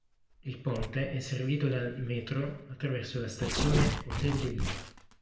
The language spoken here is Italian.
Il ponte è servito dal "Métro" attraverso la stazione Hôtel de Ville.